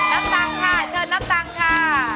น้ำตังค์ค่ะเชิญน้ำตังค่ะ